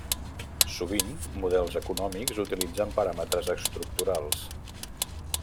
Sovint, models econòmics utilitzen paràmetres estructurals.